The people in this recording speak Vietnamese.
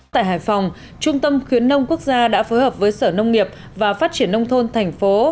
tại hải phòng trung tâm khuyến nông quốc gia đã phối hợp với sở nông nghiệp và phát triển nông thôn thành phố